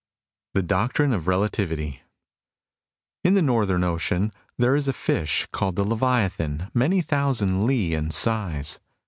THE DOCTRINE OF RELATIVITY In the northern ocean there is a fish, called the Leviathan, many thousand li ^ in size.